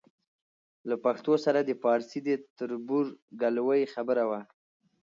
له پښتو سره د پارسي د تربورګلوۍ خبره وه.